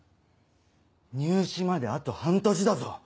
入試まであと半年だぞ。